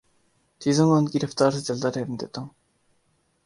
چیزوں کو ان کی رفتار سے چلتا رہنے دیتا ہوں